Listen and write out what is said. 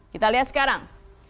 kita lihat sekarang